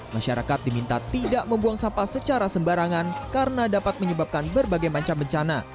masyarakat diminta tidak membuang sampah secara sembarangan karena dapat menyebabkan berbagai macam bencana